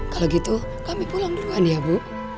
kalau gitu kami pulang duluan ya bu